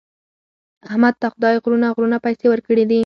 احمد ته خدای غرونه غرونه پیسې ورکړي دي.